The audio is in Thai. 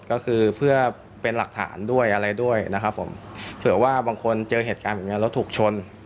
ก็คือเพื่อเป็นหลักฐานด้วยอะไรด้วยนะครับผมเผื่อว่าบางคนเจอเหตุการณ์แบบนี้แล้วถูกชน